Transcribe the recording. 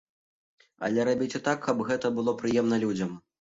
Але рабіце так, каб гэта было прыемна людзям.